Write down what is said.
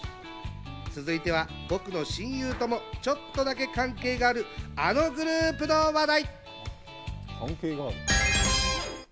続いては僕の親友ともちょっとだけ関係がある、あのグループの話題。